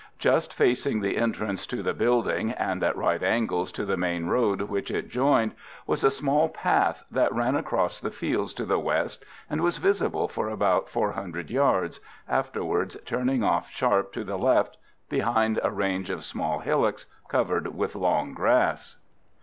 Just facing the entrance to the building, and at right angles to the main road which it joined, was a small path that ran across the fields to the west, and was visible for about 400 yards, afterwards turning off sharp to the left behind a range of small hillocks covered with long grass.